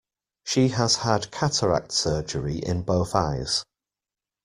She has had cataract surgery in both eyes.